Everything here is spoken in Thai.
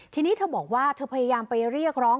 ทีนี้เธอบอกว่าเธอพยายามไปเรียกร้อง